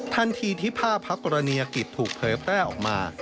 ทันทีที่ภาพพระกรณียกิจถูกเผยแพร่ออกมา